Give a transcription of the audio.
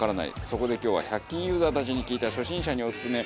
そこで今日は１００均ユーザーたちに聞いた初心者にオススメ